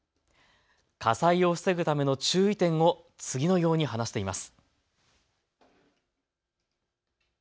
火災を防ぐための注意点を次のように話しています。